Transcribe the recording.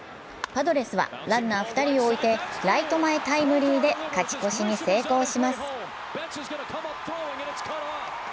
パドレスはランナー２人を置いてライト前タイムリーで勝ち越しに成功します。